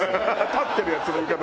たってるヤツの言い方。